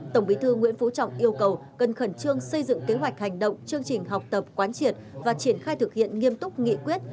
tổng bí thư nguyễn phú trọng yêu cầu cần khẩn trương xây dựng kế hoạch hành động chương trình học tập quán triệt và triển khai thực hiện nghiêm túc nghị quyết